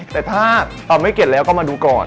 แต่ถ้าไม่เก็ดแล้วก็มาดูก่อน